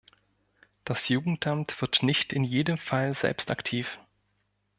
Das Jugendamt wird nicht in jedem Fall selbst aktiv.